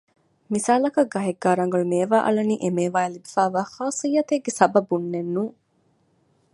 މިސާލަކަށް ގަހެއްގައި ރަނގަޅު މޭވާ އަޅަނީ އެ މޭވާ އަށް ލިބިފައިވާ ޚާޞިއްޔަތެއްގެ ސަބަބުންނެއް ނޫން